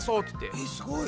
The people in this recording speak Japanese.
えすごい。